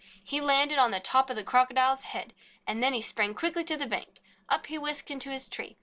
He landed on the top of the Crocodile's head, and then sprang quickly to the bank. Up he whisked into his tree.